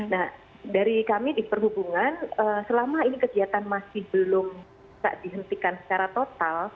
nah dari kami di perhubungan selama ini kegiatan masih belum bisa dihentikan secara total